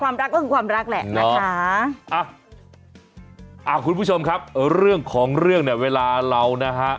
รักก็คือความรักแหละนะคะอ่ะอ่าคุณผู้ชมครับเรื่องของเรื่องเนี่ยเวลาเรานะฮะ